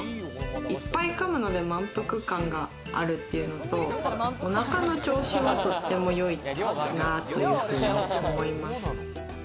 いっぱい噛むので満腹感があるっていうのと、おなかの調子はとっても良いかなというふうに思います。